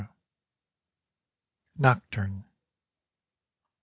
Nocturne.